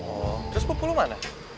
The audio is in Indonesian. oh terus pupu lo mana